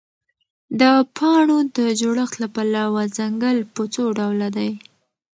د پاڼو د جوړښت له پلوه ځنګل په څوډوله دی؟